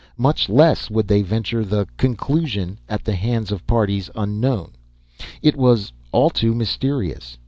Much less would they venture the conclusion, "at the hands of parties unknown." It was all too mysterious.